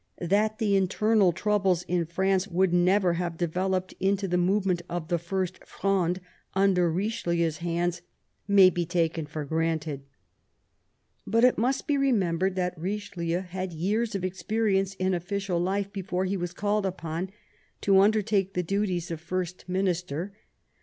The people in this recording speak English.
That the internal troubles in France would never have developed into the movement of the First Fronde under Eichelieu's hands may be taken for granted. But it must be remembered that Eichelieu had years of experience in official life before he was called upon to undertake the duties of First Minister.